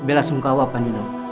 belas ungkawa pak nino